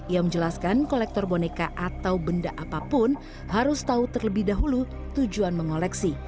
ia menjelaskan kolektor boneka atau benda apapun harus tahu terlebih dahulu tujuan mengoleksi